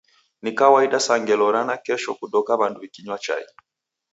Ni kawaida sa ngelo ra nakesho kudoka w'andu w'ikinywa chai.